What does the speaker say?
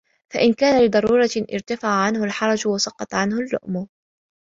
فَإِنْ كَانَ لِضَرُورَةٍ ارْتَفَعَ عَنْهُ الْحَرَجُ وَسَقَطَ عَنْهُ اللَّوْمُ